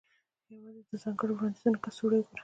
یوازې د ځانګړو وړاندیزونو کڅوړې وګوره